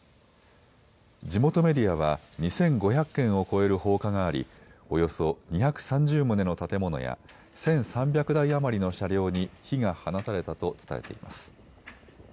地元メディアは２５００件を超える放火がありおよそ２３０棟の建物や１３００台余りの車両に火が放たれたと伝えています。